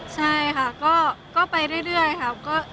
ใช่ค่ะก็ไปเรื่อยครับ